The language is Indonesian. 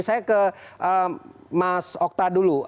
saya ke mas okta dulu